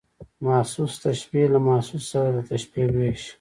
محسوس تشبیه له محسوس سره د تشبېه وېش.